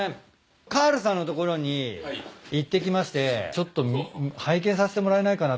カールさんの所に行ってきましてちょっと拝見させてもらえないかなと思って。